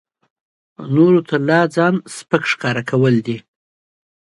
نورو ته لا ځان سپک ښکاره کول دي.